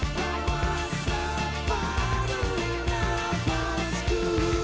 bawa separuh nafasku